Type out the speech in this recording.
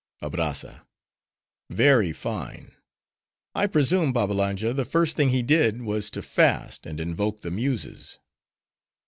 ABRAZZA—Very fine. I presume, Babbalanja, the first thing he did, was to fast, and invoke the muses.